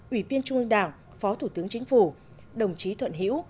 ủy viên trung ương đảng phó thủ tướng chính phủ đồng chí thuận hữu